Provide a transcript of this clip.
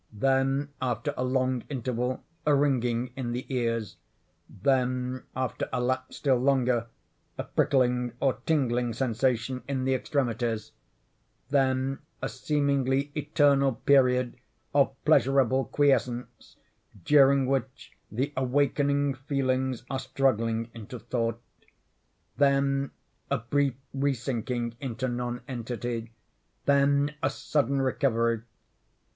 Then, after a long interval, a ringing in the ears; then, after a lapse still longer, a prickling or tingling sensation in the extremities; then a seemingly eternal period of pleasurable quiescence, during which the awakening feelings are struggling into thought; then a brief re sinking into non entity; then a sudden recovery.